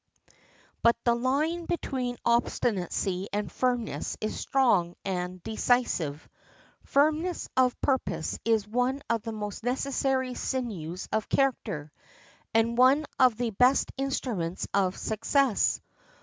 But the line between obstinacy and firmness is strong and decisive. Firmness of purpose is one of the most necessary sinews of character, and one of the best instruments of success.